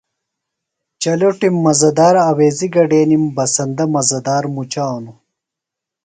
چلٹِم مزہ دار آویزیۡ گڈینِم۔ بسندہ بِیڈوۡ مزہ دار مُچانوۡ۔